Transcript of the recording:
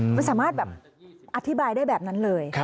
มันสามารถแบบอธิบายได้แบบนั้นเลย